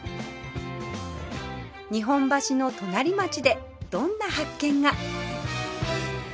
日本橋の隣町でどんな発見が？